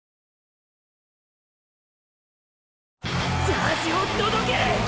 ジャージを届ける！！